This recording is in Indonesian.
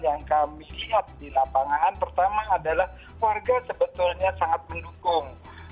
yang kami lihat di lapangan pertama adalah warga sebetulnya sangat mendukung